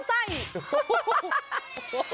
มันมากนั่งฟะ